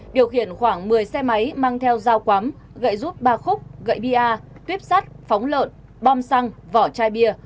điều khiển khoảng một mươi xe máy mang theo dao quắm gậy giúp ba khúc gậy bia tuyếp sắt phóng lợn bom xăng vỏ chai bia